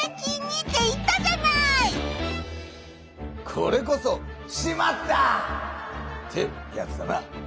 これこそ「しまった！」ってやつだな。